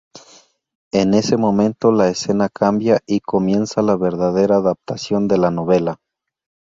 En ese momento la escena cambia y comienza la verdadera adaptación de la novela.